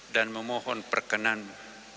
dan memohon perkenankanmu